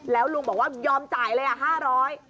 แล้วลุงบอกว่ายอมจ่ายเลยอ่ะ๕๐๐บาท